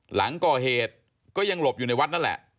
หลังก่อเหตุก็ยังหลบอยู่ในวัดนั่นแหละ